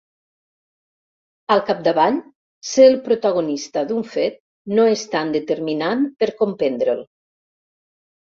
Al capdavall, ser el protagonista d'un fet no és tan determinant per comprendre'l.